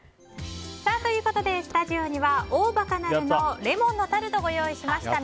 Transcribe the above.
ということでスタジオにはオーバカナルのレモンのタルトをご用意しました。